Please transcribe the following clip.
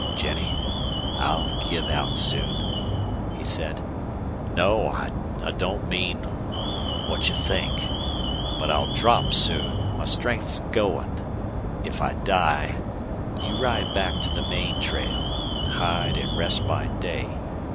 "Jennie, I'll give out soon," he said. "No I don't mean what you think. But I'll drop soon. My strength's going. If I die you ride back to the main trail. Hide and rest by day.